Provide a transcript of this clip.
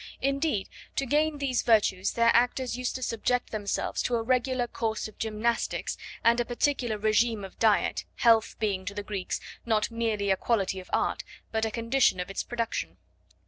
Indeed, to gain these virtues their actors used to subject themselves to a regular course of gymnastics and a particular regime of diet, health being to the Greeks not merely a quality of art, but a condition of its production.